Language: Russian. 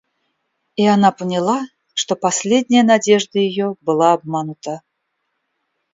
И она поняла, что последняя надежда ее была обманута.